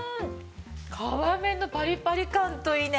皮目のパリパリ感といいね